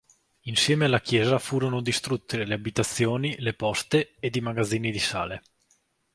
Insieme alla chiesa furono distrutte le abitazioni, le poste, ed i magazzini del sale.